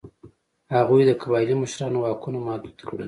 هغوی د قبایلي مشرانو واکونه محدود کړل.